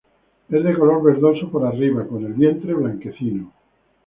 Es de color verdoso por arriba con el vientre blanquecino.